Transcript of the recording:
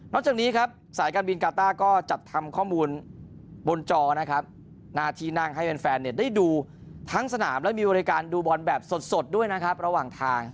จากนี้ครับสายการบินกาต้าก็จัดทำข้อมูลบนจอนะครับหน้าที่นั่งให้แฟนได้ดูทั้งสนามและมีบริการดูบอลแบบสดด้วยนะครับระหว่างทาง